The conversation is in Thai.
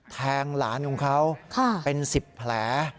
แทงหลานของเขาเป็น๑๐แผล